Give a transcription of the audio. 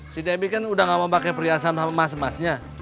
si debbie kan udah gak mau pake perhiasan sama mas masnya